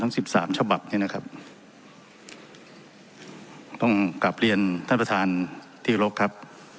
สิบสามฉบับเนี้ยนะครับต้องกลับเรียนท่านประธานที่รบครับ